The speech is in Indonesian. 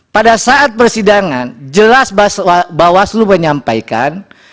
pada saat persidangan jelas bawaslu menyampaikan